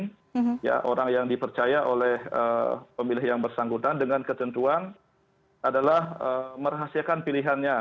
karena orang yang dipercaya oleh pemilih yang bersangkutan dengan ketentuan adalah merahasiakan pilihannya